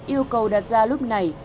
yêu cầu đặt ra lúc này